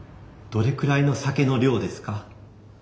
どれくらいの酒の量ですか？